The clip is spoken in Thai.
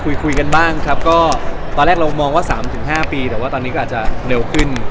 คุยกันบ้างครับก็ตอนแรกเรามองว่า๓๕ปีแต่ว่าตอนนี้ก็อาจจะเร็วขึ้น